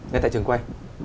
ngay tại trường quay